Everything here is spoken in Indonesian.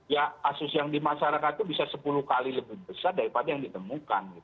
ya kasus yang di masyarakat itu bisa sepuluh kali lebih besar daripada yang ditemukan